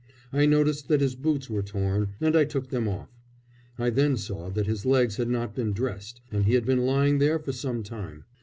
I noticed that his boots were torn, and I took them off. I then saw that his legs had not been dressed and he had been lying there for some time.